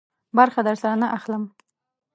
برخه درسره نه اخلم.